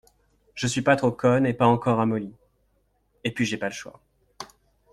Je suis pas trop conne et pas encore ramollie. Et puis j’ai pas le choix.